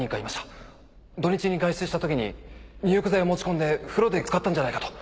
土日に外出したときに入浴剤を持ち込んで風呂で使ったんじゃないかと。